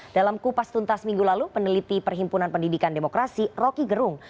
dalam kupas tuntas minggu lalu peneliti perhimpunan pendidikan demokrasi rocky gerung